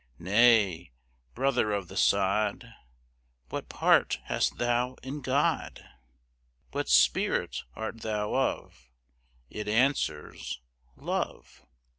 "Nay, brother of the sod, What part hast thou in God? What spirit art thou of?" It answers: "Love."